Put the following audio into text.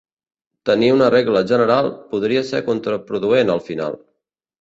Tenir una regla general podria ser contraproduent al final.